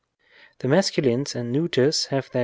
The masculines and neu ters have their G.